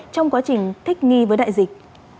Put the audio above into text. trong quá trình thích nghi với đại dịch